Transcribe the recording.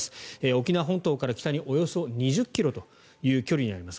沖縄本島から北におよそ２０ｋｍという距離にあります。